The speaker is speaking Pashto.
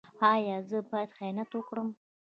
ایا زه باید خیانت وکړم؟